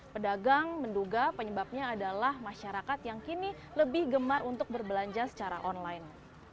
pedagang menduga penyebabnya adalah masyarakat yang kini lebih gemar untuk berbelanja secara online